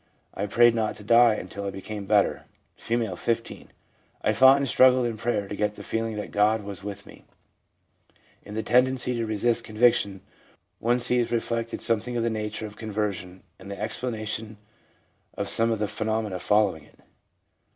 I prayed not to die until I became better/ F., 15. ' I fought and struggled in prayer to get the feeling that God was with me/ In the tendency to resist conviction, one sees re flected something of the nature of conversion, and the explanation of some of the phenomena following it.